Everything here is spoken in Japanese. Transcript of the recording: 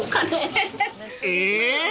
［え？］